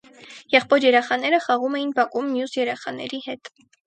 Եղբոր երեխաները խաղում էին բակում մյուս երեխաների հետ: